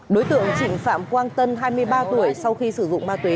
đối tượng trịnh phạm quang tân hai mươi ba tuổi sau khi sử dụng ma túy